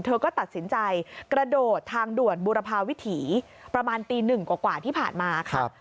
เธอก็ตัดสินใจกระโดดทางด่วนบุรพาวิถีประมาณตีหนึ่งกว่าที่ผ่านมาค่ะ